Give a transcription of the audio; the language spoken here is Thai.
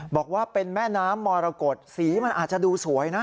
บอกว่าเป็นแม่น้ำมรกฏสีมันอาจจะดูสวยนะ